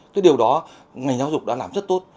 cái điều đó ngành giáo dục đã làm rất tốt